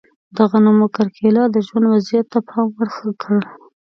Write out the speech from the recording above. د غنمو کرکیله د ژوند وضعیت د پام وړ ښه کړ.